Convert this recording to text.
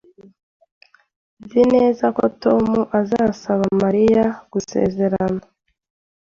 Nzi neza ko Tom azasaba Mariya gusezerana